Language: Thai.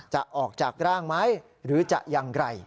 จะออกจากร่างไหมหรือจะอย่างไร